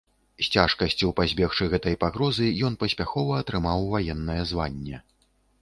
З цяжкасцю пазбегшы гэтай пагрозы, ён паспяхова атрымаў ваеннае званне.